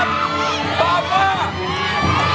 ค่อยคิดไม่ต้องที่